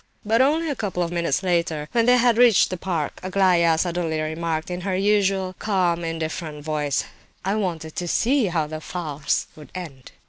But only a couple of minutes later, when they had reached the park, Aglaya suddenly remarked, in her usual calm, indifferent voice: "I wanted to see how the farce would end."